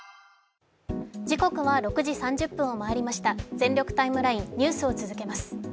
「全力タイムライン」ニュースを続けます。